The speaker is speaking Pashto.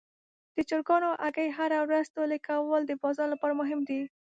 د چرګانو هګۍ هره ورځ ټولې کول د بازار لپاره مهم دي.